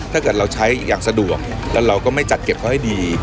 ถ้าเกิดเราใช้อย่างสะดวกแล้วเราก็ไม่จัดเก็บเขาให้ดี